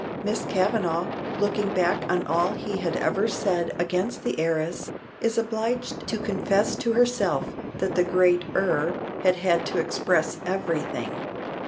Miss Kavanagh, looking back on all he had ever said against the heiress, is obliged to confess to herself that the great "er" had had to express everything.